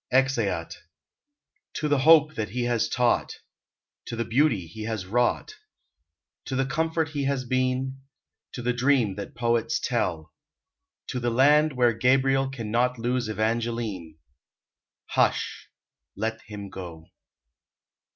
EXEAT. To the hope that he has taught, To the beauty he has wrought, To the comfort he has been; To the dream that poets tell, To the land where Gabriel Can not lose Evangeline; Hush! let him go.